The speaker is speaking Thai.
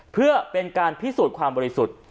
เพื่อเป็นการพิสูจน์ความบริสุทธิ์